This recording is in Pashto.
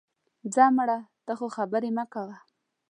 ځه مړه، ته خو خبرې مه کوه